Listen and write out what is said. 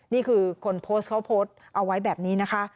นี่คือคนโพสต์เขาโพสต์เอาไว้แบบนี้นะคะ